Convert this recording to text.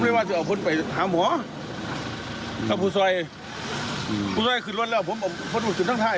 ผมเลยว่าจะเอาฟันไปหาหมอเอาผู้ส่อยผู้ส่อยขึ้นรถแล้วผมเอาฟันขึ้นทางท่าย